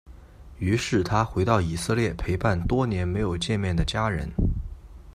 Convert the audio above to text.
于是他回到以色列陪伴多年没有见面的家人。